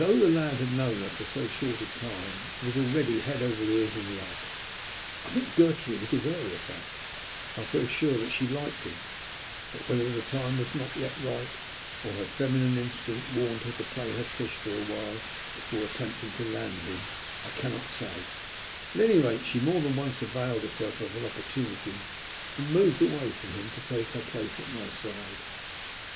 Though the lad had known her for so short a time he was already head over ears in love. I think Gertrude was aware of the fact, and I feel sure that she liked him, but whether the time was not yet ripe, or her feminine instinct warned her to play her fish for a while before attempting to land him, I cannot say; at any rate she more than once availed herself of an opportunity and moved away from him to take her place at my side.